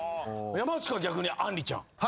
山内君は逆にあんりちゃん。